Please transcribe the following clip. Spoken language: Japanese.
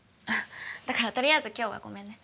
だからとりあえず今日はごめんね。